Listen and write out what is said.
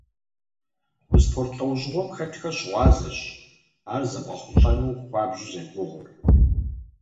Мы спорт лӏэужьыгъуэм хэтхэр щыгъуазэщ ар зэбгъэхъулӏэну хуабжьу зэрыгугъур.